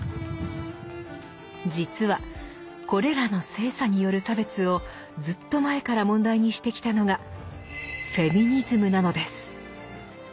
実はこれらの性差による差別をずっと前から問題にしてきたのが「フェミニズム」なのです。